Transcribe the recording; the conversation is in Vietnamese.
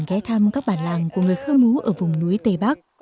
nếu ai đã một lần ghé thăm các bà làng của người khơ mú ở vùng núi tây bắc